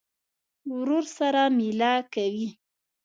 ورور سره مېله کوې.